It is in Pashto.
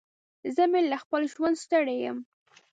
زه مې له خپل ژونده ستړی يم.